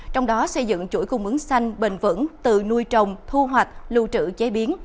trong đó xây dựng chuỗi cung ứng xanh bền vững tự nuôi trồng thu hoạch lưu trữ chế biến